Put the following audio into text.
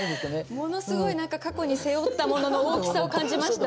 ものすごい何か過去に背負ったものの大きさを感じました。